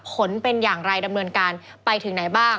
ผลเป็นอย่างไรดำเนินการไปถึงไหนบ้าง